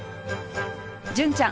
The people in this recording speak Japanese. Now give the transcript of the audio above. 純ちゃん